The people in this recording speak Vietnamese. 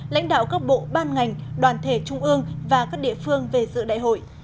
lãnh đạo các bộ ban ngành đoàn thể trung ương và các địa phương về dự đại hội